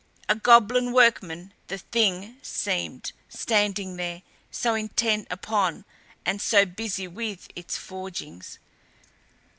A goblin workman the Thing seemed, standing there, so intent upon and so busy with its forgings.